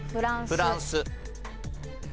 フランス。